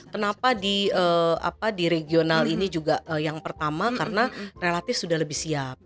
kenapa di regional ini juga yang pertama karena relatif sudah lebih siap